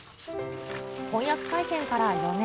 婚約会見から４年。